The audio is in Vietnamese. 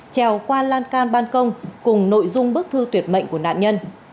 trèo qua lan can ban công cùng nội dung bức thư tuyệt mệnh của nạn nhân